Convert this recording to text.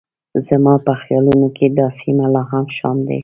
زما په خیالونو کې دا سیمه لا هم شام دی.